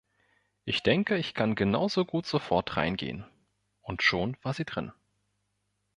„Ich denke, ich kann genauso gut sofort reingehen.“ Und schon war sie drin.